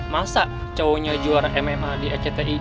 masa cowoknya juara mma di ecti